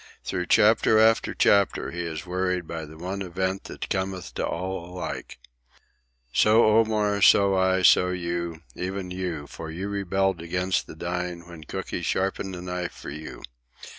Through chapter after chapter he is worried by the one event that cometh to all alike. So Omar, so I, so you, even you, for you rebelled against dying when Cooky sharpened a knife for you.